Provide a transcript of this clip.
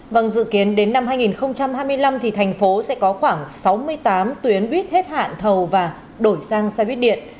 vâng dự kiến đến năm hai nghìn hai mươi năm thành phố sẽ có khoảng sáu mươi tám tuyến buýt hết hạn thầu và đổi sang xe buýt điện